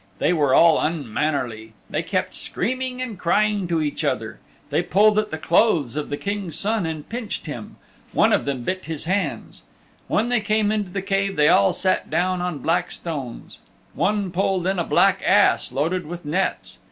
They were all unmannerly. They kept screaming and crying to each other; they pulled at the clothes of the King's Son and pinched him. One of them bit his hands. When they came into the cave they all sat down on black stones. One pulled in a black ass loaded with nets.